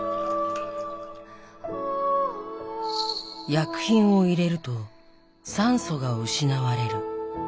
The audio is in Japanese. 薬品を入れると酸素が失われる。